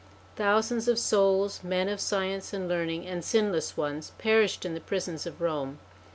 Thousands of souls, men of science and learn ing, and sinless ones, perished in the prisons of Rome.